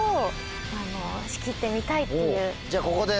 じゃここで。